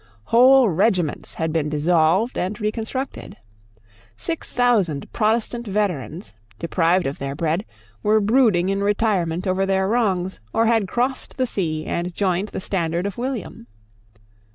Whole regiments had been dissolved and reconstructed. Six thousand Protestant veterans, deprived of their bread, were brooding in retirement over their wrongs, or had crossed the sea and joined the standard of William.